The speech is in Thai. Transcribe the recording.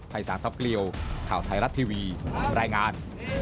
ไพรศาสตร์ทัพเกลี้ยวข่าวไทยรัฐทีวีรายงาน